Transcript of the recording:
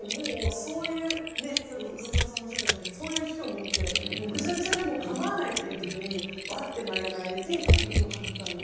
それこそ黒沢さんがおっしゃってましたけどそういう日と思ってぐしゃぐしゃでもかまわないという日に前髪を上げてキャップをかぶっていたので。